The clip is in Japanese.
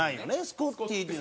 「スコッティ」って。